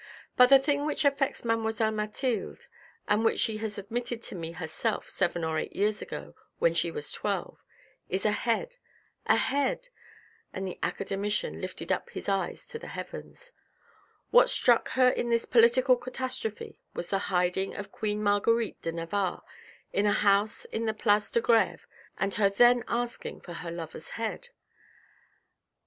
" But the thing which affects mademoiselle Mathilde, and what she has admitted to me herself seven or eight years ago when she was twelve, is a head ! a head ! and the acade mician lifted up his eyes to the heavens. What struck her in this political catastrophe, was the hiding of Queen Marguerite de Navarre in a house in the place de Greve and her then asking for her lover's head.